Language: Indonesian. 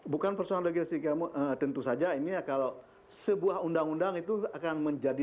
bukan persoalan legistik tentu saja ini ya kalau sebuah undang undang itu akan menjadi